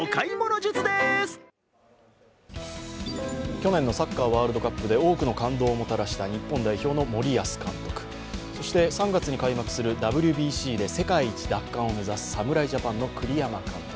去年のサッカーワールドカップで多くの感動をもたらした日本代表の森保監督、そして３月に開幕するＷＢＣで世界一奪還を目指す侍ジャパンの栗山監督。